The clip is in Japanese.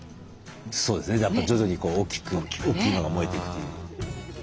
そうですね徐々に大きく大きいのが燃えていくという。